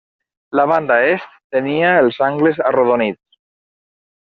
La banda est tenia els angles arrodonits.